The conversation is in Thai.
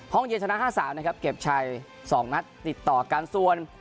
ห้องเย็นชนะห้าสามนะครับเก็บไช่สองนัดติดต่อการส่วน